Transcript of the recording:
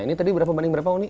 ini tadi berapa banding berapa